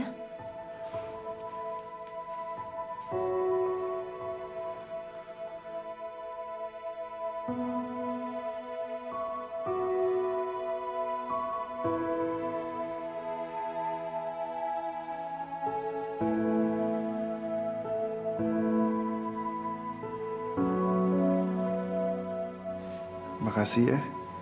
terima kasih ya